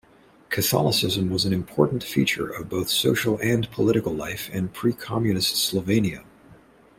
Catholicism was an important feature of both social and political life in pre-Communist Slovenia.